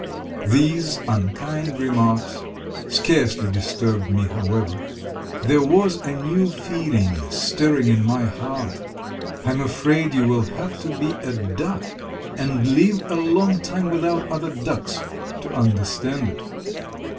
These unkind remarks scarcely disturbed me, however. There was a new feeling stirring in my heart. I am afraid you will have to be a duck, and live a long time without other ducks, to understand it.